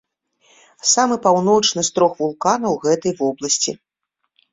Самы паўночны з трох вулканаў гэтай вобласці.